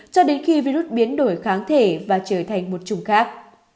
cho đến khi virus biến đổi kháng thể và trở thành một chủng khác